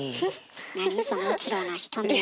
何そのうつろな瞳。